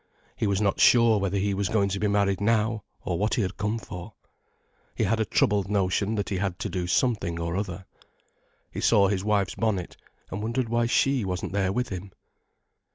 He was not sure whether he was going to be married now, or what he had come for. He had a troubled notion that he had to do something or other. He saw his wife's bonnet, and wondered why she wasn't there with him.